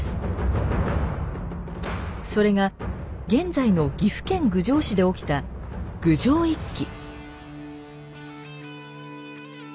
それが現在の岐阜県郡上市で起きた「郡上一揆」。